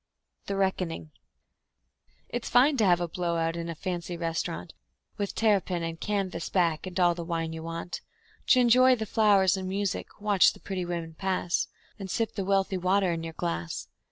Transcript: The Reckoning It's fine to have a blow out in a fancy restaurant, With terrapin and canvas back and all the wine you want; To enjoy the flowers and music, watch the pretty women pass, Smoke a choice cigar, and sip the wealthy water in your glass.